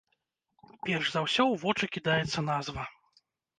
Перш за ўсё ў вочы кідаецца назва.